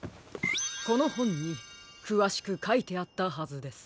このほんにくわしくかいてあったはずです。